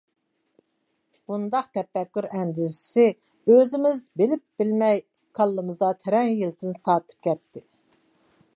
بۇنداق تەپەككۇر ئەندىزىسى ئۆزىمىز بىلىپ-بىلمەي كاللىمىزدا تىرەن يىلتىز تارتىپ كەتتى.